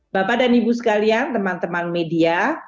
bapak dan ibu sekalian teman teman media